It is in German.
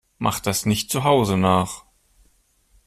Macht das nicht zu Hause nach!